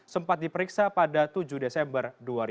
sempat diperiksa pada tujuh desember dua ribu enam belas